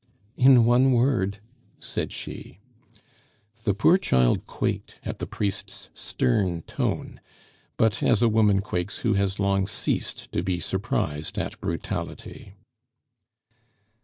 "In one word," said she. The poor child quaked at the priest's stern tone, but as a woman quakes who has long ceased to be surprised at brutality.